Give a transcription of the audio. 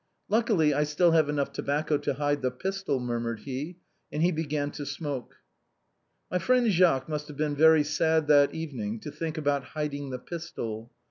" Luckily, I have still enough tobacco to hide the pistol," murmured he, and began to smoke. My friend Jacques must have been very sad that evening to think about hiding the pistol.